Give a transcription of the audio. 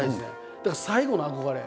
だから最後の憧れ。